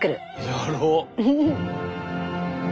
やろう。